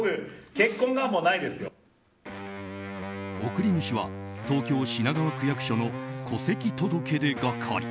送り主は東京・品川区役所の戸籍届出係。